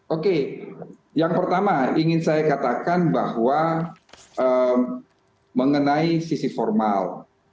oke yang pertama ingin saya katakan bahwa mengenai sisi formal